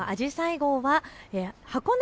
号は箱根